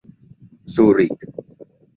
ซูริค